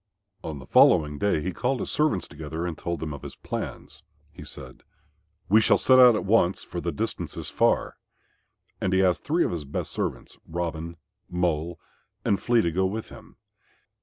On the following day he called his servants together and told them of his plans. He said, "We shall set out at once, for the distance is far." And he asked three of his best servants, Robin, Mole and Flea, to go with him.